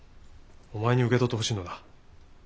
お前に受け取ってほしいのだ。